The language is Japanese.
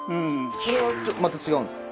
これはまた違うんですか？